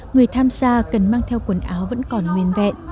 người tham gia cần mang theo quần áo vẫn còn nguyên vẹn